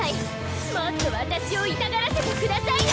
もっと私を痛がらせてくださいな！